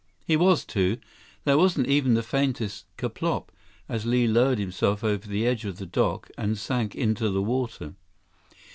He was, too. There wasn't even the faintest "ker plop" as Li lowered himself over the edge of the dock and sank into the water.